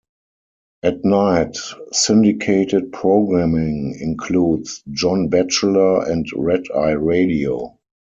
At night, syndicated programming includes "John Batchelor" and "Red Eye Radio".